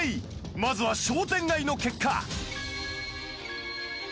まずは商店街の結果